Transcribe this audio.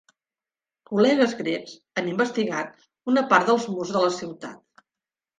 Col·legues grecs han investigat una part dels murs de la ciutat.